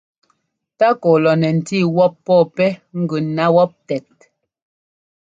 Tákɔ lɔ nɛ ńtí wɔ́p pɔ́ɔ pɛ́ gʉ ná wɔ́p tɛt.